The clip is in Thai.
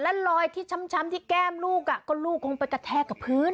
ลอยที่ช้ำที่แก้มลูกก็ลูกคงไปกระแทกกับพื้น